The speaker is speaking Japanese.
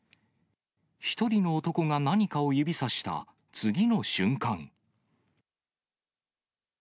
１人の男が何かを指さした次の瞬間。